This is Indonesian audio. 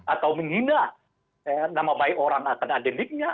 atau menghina nama baik orang karena deliknya